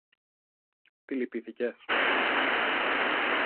Τη λυπήθηκες;